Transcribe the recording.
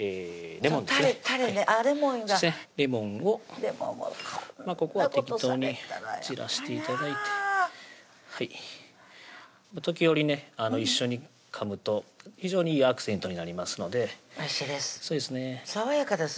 レモンがレモンをここは適当に散らして頂いて時折ね一緒にかむと非常にいいアクセントになりますのでおいしいです爽やかです